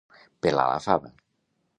Pelar la fava.